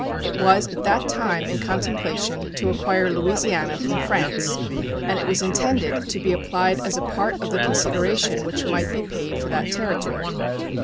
It was at that time in contemplation to acquire Louisiana from France, and it was intended to be applied as a part of the consideration which might be paid for that territory.